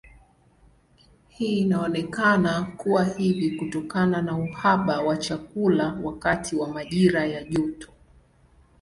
Hii inaonekana kuwa hivi kutokana na uhaba wa chakula wakati wa majira ya joto.